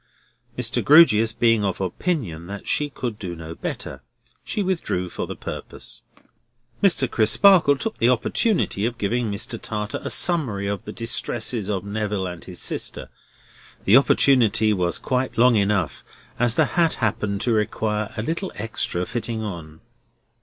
Mr. Grewgious being of opinion that she could not do better, she withdrew for the purpose. Mr. Crisparkle took the opportunity of giving Mr. Tartar a summary of the distresses of Neville and his sister; the opportunity was quite long enough, as the hat happened to require a little extra fitting on.